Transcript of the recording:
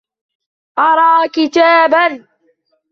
أرى كتاباً.